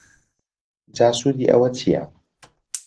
جا سوودی ئەوە چیە؟